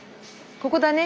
ここだね。